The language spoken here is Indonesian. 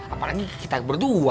apalagi kita berdua